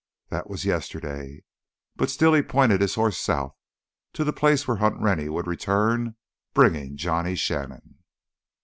That was yesterday. But still he pointed his horse south—to the place where Hunt Rennie would return, bringing Johnny Shannon.